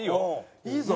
いいぞ。